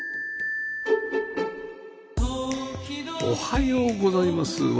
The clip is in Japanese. おはようございます。